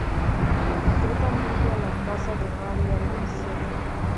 Concretamente a la casa de Mary Alice.